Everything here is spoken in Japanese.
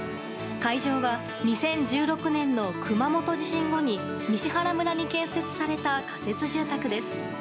会場は２０１６年の熊本地震後に西原村に建設された仮設住宅です。